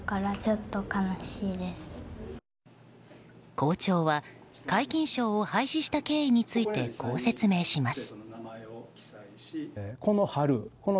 校長は皆勤賞を廃止した経緯についてこう説明します。